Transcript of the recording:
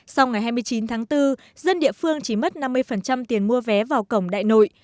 sau ngày hai mươi chín tháng bốn dân địa phương chỉ mất năm mươi tiền mua vé vào cổng đại nội